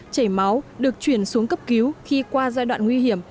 chảy máu được chuyển xuống cấp cứu khi qua giai đoạn nguy hiểm